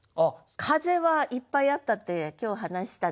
「風」はいっぱいあったって今日話したでしょ。